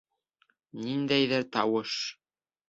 Ниндәйҙер тауыш.